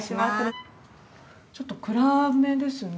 ちょっと暗めですね玄関。